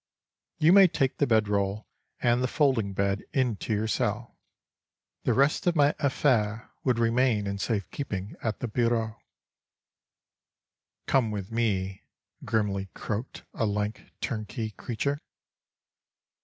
"You may take the bed roll and the folding bed into your cell"—the rest of my affaires would remain in safe keeping at the bureau. "Come with me," grimly croaked a lank turnkey creature.